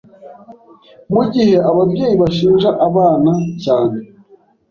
Mu gihe ababyeyi bashinja abana cyane